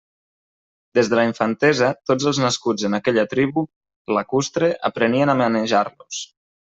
Des de la infantesa, tots els nascuts en aquella tribu lacustre aprenien a manejar-los.